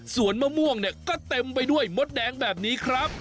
ส่วนมะม่วงเนี่ยก็เต็มไปด้วยมดแดงแบบนี้ครับ